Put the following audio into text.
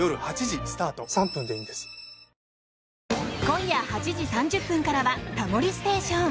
今夜８時３０分からは「タモリステーション」。